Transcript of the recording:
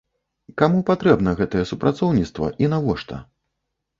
Каму патрэбна гэтае супрацоўніцтва і навошта?